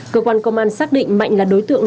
cơ quan công an xác định mạnh là đối tượng